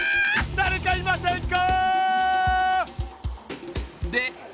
だれかいませんか？